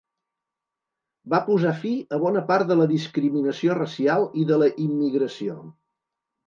Va posar fi a bona part de la discriminació racial i de la immigració.